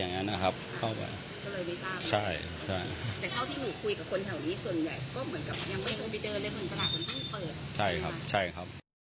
มันตลาดเหมือนต้องเปิดใช่ไหมครับใช่ครับ